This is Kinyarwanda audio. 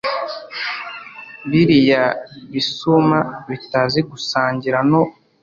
biriya bisuma bitazi gusangira no